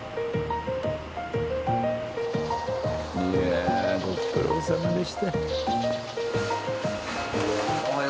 いやご苦労さまでした。